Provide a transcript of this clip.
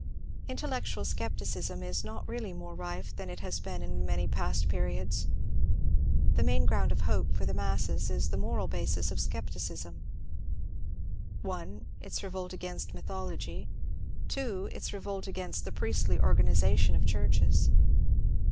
InteUectual scepticism is not really more rife than it has been in many past periods. The main ground of hope for the masses is the moral basis of scep ticism, — 1, its revolt against mythology ; 2, its revolt against the priestly organization of churches.